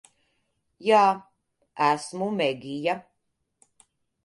Jā. Esmu Megija.